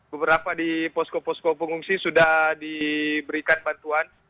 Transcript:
beberapa di posko posko pengungsi sudah diberikan bantuan